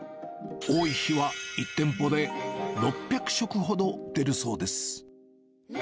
多い日は、１店舗で６００食ほど出るそうです。